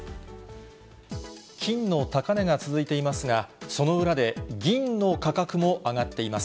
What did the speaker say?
金の高値が続いていますが、その裏で銀の価格も上がっています。